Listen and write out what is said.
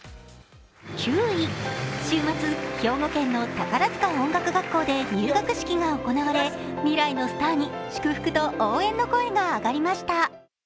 ９位、週末、兵庫県の宝塚音楽学校で入学式が行われ未来のスターに祝福と応援の声が上がりました。